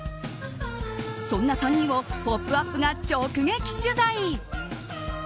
そんな３人を「ポップＵＰ！」が直撃取材。